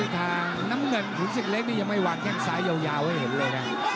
น้ำเงินขุนศึกเล็กนี่ยังไม่วางแข้งซ้ายยาวให้เห็นเลยนะ